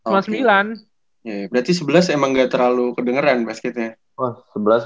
berarti sebelas emang gak terlalu kedengeran basketnya